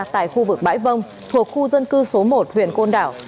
tại khu vực bãi vông thuộc khu dân cư số một huyện côn đảo